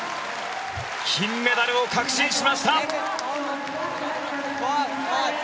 金メダルを確信しました。